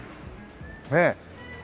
ねえ。